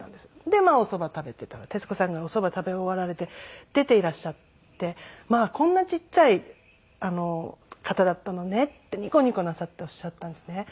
でおそば食べていたら徹子さんがおそば食べ終わられて出ていらっしゃって「まあこんなちっちゃい方だったのね」ってニコニコなさっておっしゃったんですね。